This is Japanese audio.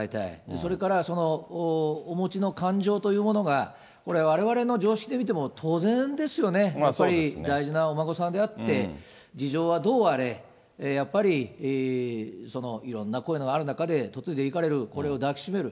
それからお持ちの感情というものが、われわれの常識で見ても当然ですよね、やっぱり大事なお孫さんであって、事情はどうあれ、やっぱりいろんな声のある中で嫁いでいかれる、これを抱きしめる。